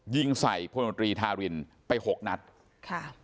ยิงใส่พรหมดรีทารินไป๖นัตร